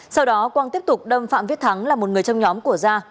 sau đó quang tiếp tục đâm phạm viết thắng là một người trong nhóm của gia